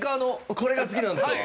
これが好きなんですか？